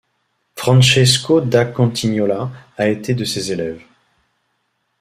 Francesco da Cotignola a été de ses élèves.